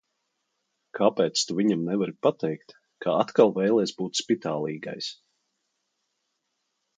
Kāpēc tu viņam nevari pateikt, ka atkal vēlies būt spitālīgais?